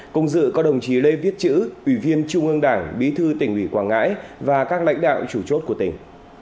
cùng dự có đồng chí lê viết chữ ủy viên trung ương đảng bí thư tỉnh ủy quảng ngãi và các lãnh đạo chủ chốt của tỉnh